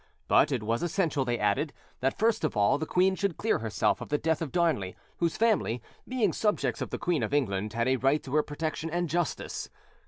But it was essential, they added, that first of all the queen should clear herself of the death of Darnley, whose family, being subjects of the Queen of England, had a right to her protection and justice.